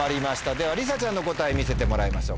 ではりさちゃんの答え見せてもらいましょう。